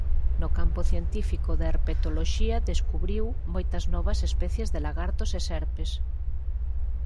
No campo científico da herpetoloxía describiu moitas novas especies de lagartos e serpes.